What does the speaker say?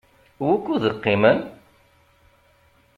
Wukud qimen?